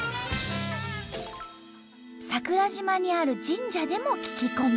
桜島にある神社でも聞き込み。